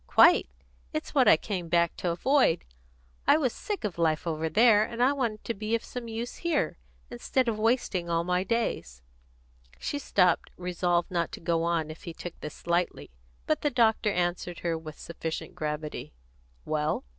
"Quite! It's what I came back to avoid. I was sick of the life over there, and I wanted to be of some use here, instead of wasting all my days." She stopped, resolved not to go on if he took this lightly, but the doctor answered her with sufficient gravity: "Well?"